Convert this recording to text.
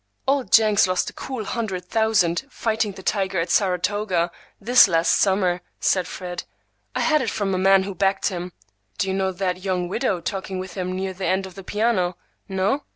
"Old Jenks lost a cool hundred thousand fighting the tiger at Saratoga, this last summer," said Fred. "I had it from a man who backed him. Do you know that young widow talking with him near the end of the piano? No?